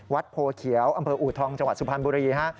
โพเขียวอำเภออูทองจังหวัดสุพรรณบุรีฮะ